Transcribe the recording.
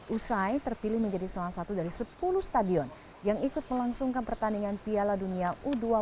usai terpilih menjadi salah satu dari sepuluh stadion yang ikut melangsungkan pertandingan piala dunia u dua puluh